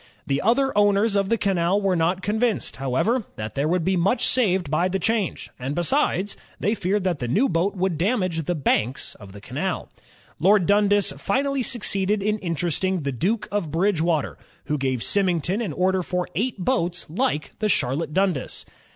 The other owners of the canal were not convinced, however, that there would be much saved by the change, and besides, they feared that the new boat would damage the banks of the canal. Lord Dundas finally succeeded in interesting the Duke of Bridgewater, who gave Symington an order for eight boats like the Charlotte Dundas.